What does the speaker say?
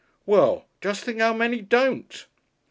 "Well, just think how many don't!"